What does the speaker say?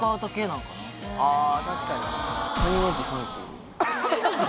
あ確かに。